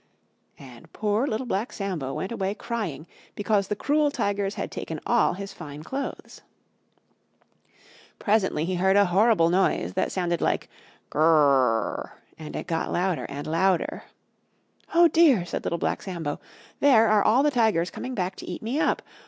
And poor Little Black Sambo went away crying, because the cruel Tigers had taken all his fine clothes. Presently he heard a horrible noise that sounded like "Gr r r r rrrrrrr," and it got louder and louder. "Oh dear!" said Little Black Sambo, "There are all the Tigers coming back to eat me up!